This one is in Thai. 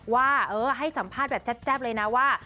ว่าให้สัมภาษณ์แบบแซ่บเลยนะว่า